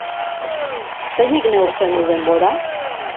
Zeinek neurtzen du denbora?